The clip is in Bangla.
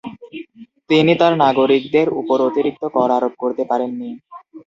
তিনি তার নাগরিকদের উপর অতিরিক্ত কর আরোপ করতে পারেননি।